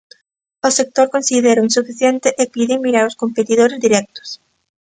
O sector considérao insuficiente e pide mirar aos competidores directos.